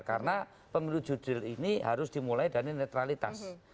karena pengeluh judril ini harus dimulai dari netralitas